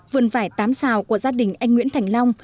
vườn vải tám xào của gia đình anh nguyễn thành long